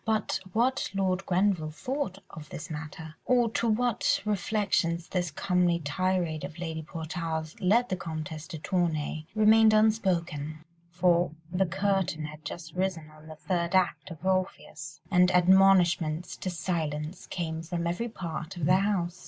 But what Lord Grenville thought of this matter, or to what reflections this homely tirade of Lady Portarles led the Comtesse de Tournay, remained unspoken, for the curtain had just risen on the third act of Orpheus, and admonishments to silence came from every part of the house.